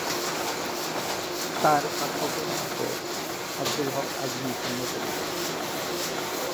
তার ছাত্রদের মধ্যে আব্দুল হক আজমি অন্যতম।